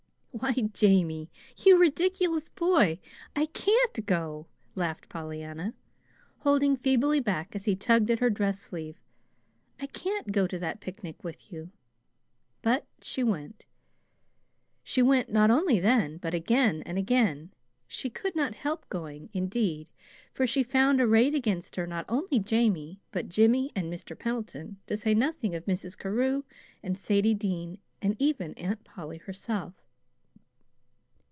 "Why, Jamie, you ridiculous boy, I can't go," laughed Pollyanna, holding feebly back, as he tugged at her dress sleeve. "I can't go to that picnic with you!" But she went. She went not only then, but again and again. She could not help going, indeed, for she found arrayed against her not only Jamie, but Jimmy and Mr. Pendleton, to say nothing of Mrs. Carew and Sadie Dean, and even Aunt Polly herself.